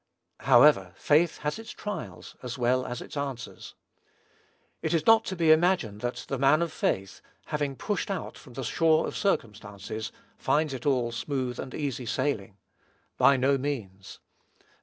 However, faith has its trials, as well as its answers. It is not to be imagined that the man of faith, having pushed out from the shore of circumstances, finds it all smooth and easy sailing. By no means.